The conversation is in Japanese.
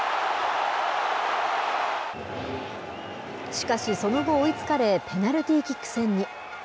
しかし、その後、追いつかれ、ペナルティーキック戦に。